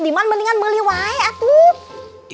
diman mendingan meliwai atuh